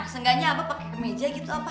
seenggaknya abah pakai ke meja gitu abah